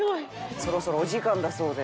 そろそろお時間だそうで。